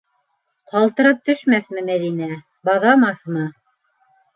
Ҡалтырап төшмәҫме Мәҙинә, баҙамаҫмы?